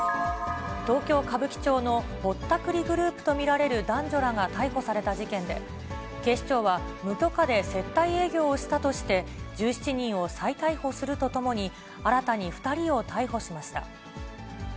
東京・歌舞伎町のぼったくりグループと見られる男女らが逮捕された事件で、警視庁は、無許可で接待営業をしたとして、１７人を再逮捕するとともに、新たに２人を逮捕しました。